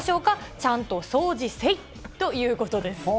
ちゃんと掃除せいっということです。